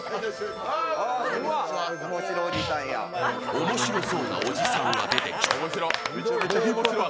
おもしろそうなおじさんは出てきた。